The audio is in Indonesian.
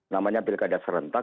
namanya pilih kedas serentak